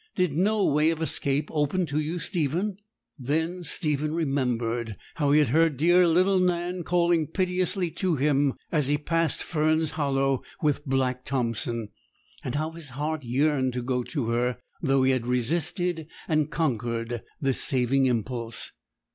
Did no way of escape open to you, Stephen?' Then Stephen remembered how he had heard dear little Nan calling piteously to him as he passed Fern's Hollow with Black Thompson; and how his heart yearned to go to her, though he had resisted and conquered this saving impulse.